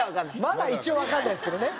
まだ一応わからないですけどね。